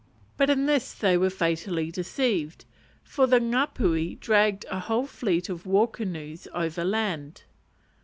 But in this they were fatally deceived, for the Ngapuhi dragged a whole fleet of war canoes over land.